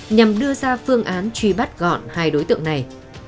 nhằm đưa ra phương án truy bắt gọn hai đối tượng này